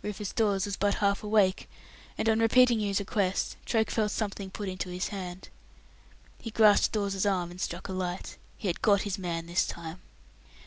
Rufus Dawes was but half awake, and on repeating his request, Troke felt something put into his hand. He grasped Dawes's arm, and struck a light. He had got his man this time.